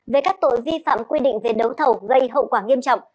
về các tội vi phạm quy định về đấu thầu gây hậu quả nghiêm trọng